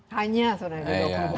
hanya sebenarnya dua puluh dua